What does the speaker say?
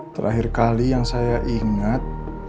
terakhir kali yang saya ingat